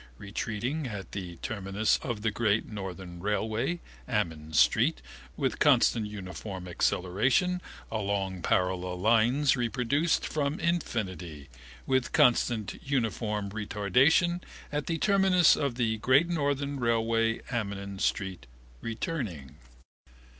Retreating, at the terminus of the Great Northern Railway, Amiens street, with constant uniform acceleration, along parallel lines meeting at infinity, if produced: along parallel lines, reproduced from infinity, with constant uniform retardation, at the terminus of the Great Northern Railway, Amiens street, returning.